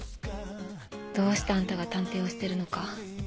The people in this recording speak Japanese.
どうしてあんたが探偵をしてるのか。